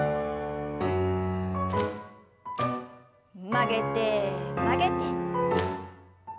曲げて曲げて。